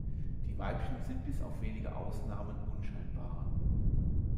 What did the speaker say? Die Weibchen sind bis auf wenige Ausnahmen unscheinbarer.